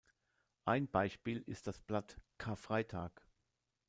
Ein Beispiel ist das Blatt "Karfreitag".